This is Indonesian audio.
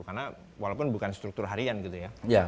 karena walaupun bukan struktur harian gitu ya